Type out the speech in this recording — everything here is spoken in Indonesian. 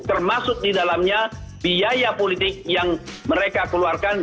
termasuk di dalamnya biaya politik yang mereka keluarkan